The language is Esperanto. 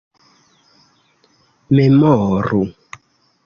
memoru